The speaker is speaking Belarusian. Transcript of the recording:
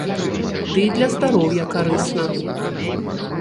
Дый для здароўя карысна.